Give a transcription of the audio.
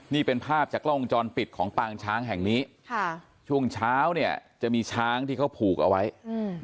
นี่เป็นภาพจากกล้องวงจรปิดของปางช้างแห่งนี้ค่ะช่วงเช้าเนี่ยจะมีช้างที่เขาผูกเอาไว้อืม